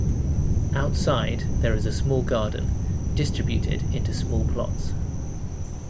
Outside, there is a small garden, distributed into small plots.